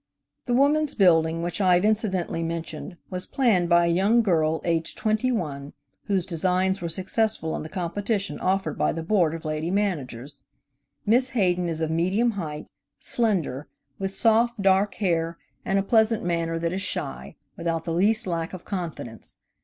The Woman's Building, which I have incidentally mentioned, was planned by a young girl, aged twenty one, whose designs were successful in the competition offered by the Board of Lady Managers. Miss Hayden is of medium height, slender, with soft, dark hair, and a pleasant manner that is shy, without the least lack of confidence.